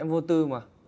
em vô tư mà